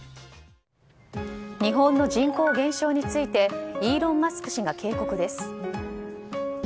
日本の人口減少についてイーロン・マスク氏が警告です。